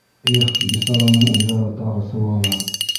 Эх, бисараның уйҙары тағы сыуала.